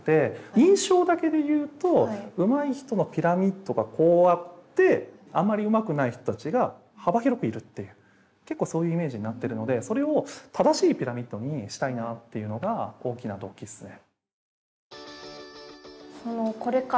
印象だけでいうとうまい人のピラミッドがこうあってあんまりうまくない人たちが幅広くいるっていう結構そういうイメージになってるのでそれを正しいピラミッドにしたいなっていうのが大きな動機ですね。